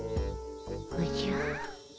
おじゃ。